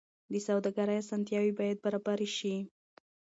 د سوداګرۍ اسانتیاوې باید برابرې شي.